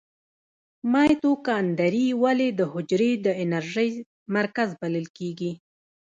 مایتوکاندري ولې د حجرې د انرژۍ مرکز بلل کیږي؟